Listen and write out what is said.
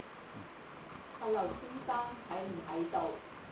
阿劉先生喺唔喺度